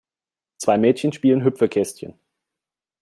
Zwei Mädchen spielen Hüpfekästchen.